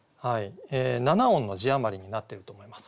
７音の字余りになってると思います。